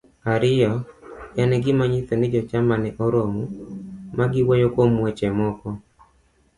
ariyo. En gima nyiso ni jochama ne oromo, ma giwuoyo kuom weche moko,